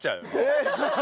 えっ！